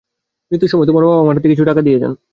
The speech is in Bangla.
মৃত্যুর সময়ে তোমার বাবা আমার হাতে কিছু টাকা দিয়ে যান।